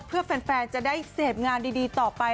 เพื่อแฟนจะได้เสพงานดีต่อไป